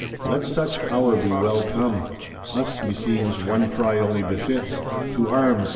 Let such hour be well come! Us, meseems, one cry only befits: To Arms!